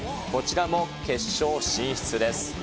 こちらも決勝進出です。